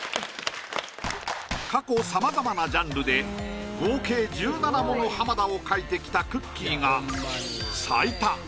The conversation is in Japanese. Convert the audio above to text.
過去さまざまなジャンルで合計１７もの浜田を描いてきたくっきー！が最多！